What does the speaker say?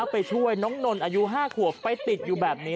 ไปช่วยน้องนนอายุ๕ขวบไปติดอยู่แบบนี้